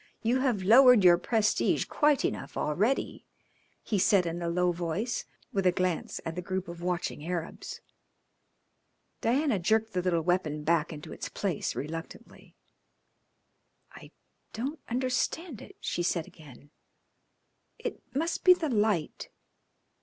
You have lowered your prestige quite enough already," he said in a low voice, with a glance at the group of watching Arabs. Diana jerked the little weapon back into its place reluctantly. "I don't understand it," she said again. "It must be the light."